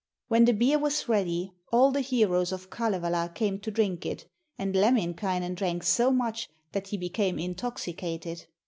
'When the beer was ready, all the heroes of Kalevala came to drink it, and Lemminkainen drank so much that he became intoxicated.